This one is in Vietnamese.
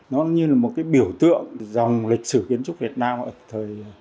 nó như là một cái biểu tượng dòng lịch sử kiến trúc việt nam ở thời